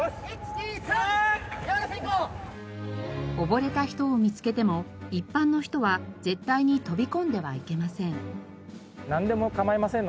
溺れた人を見つけても一般の人は絶対に飛び込んではいけません。